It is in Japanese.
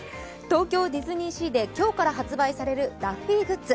東京ディズニーシーで今日から発売されるダッフィーグッズ。